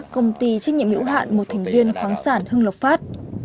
công ty trách nhiệm hiệu hoạn một thành viên khoáng sản hưng lộc phát